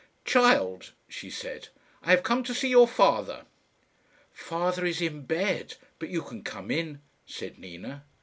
"Child," she said, "I have come to see your father." "Father is in bed, but you can come in," said Nina.